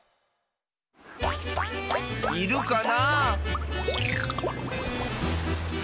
いるかなあ？